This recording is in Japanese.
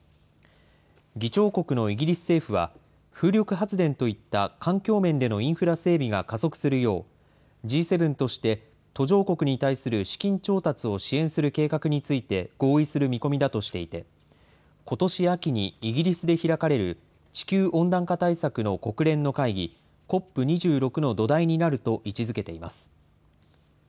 議長国のイギリス政府は風力発電といった環境面でのインフラ整備が加速するよう、Ｇ７として、途上国に対する資金調達を支援する計画について合意する見込みだとしていて、ことし秋に、イギリスで開かれる地球温暖化対策の国連の会議、ＣＯＰ２６の土台になると位置づけています。